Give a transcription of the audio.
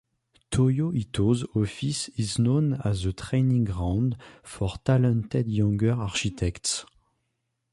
Toyo Ito's office is known as a training ground for talented younger architects.